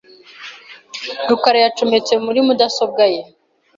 rukara yacometse muri mudasobwa ye .